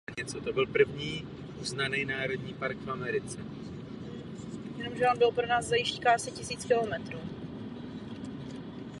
Nachází se zde pevnosti lehkého opevnění budovaného před druhou světovou válkou.